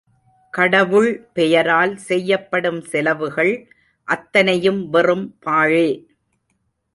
கடவுள் பெயரால் செய்யப்படும் செலவுகள் அத்தனையும் வெறும் பாழே.